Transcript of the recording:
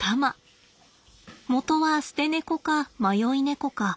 元は捨て猫か迷い猫か。